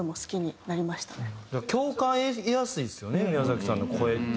共感得やすいですよね宮崎さんの声って。